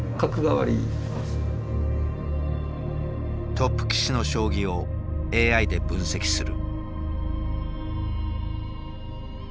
トップ棋士の将棋をＡＩで分析する。